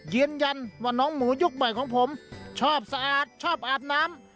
ยืนยันว่าน้องหมูยุคใหม่ของผมชอบสะอาดชอบอาบน้ำ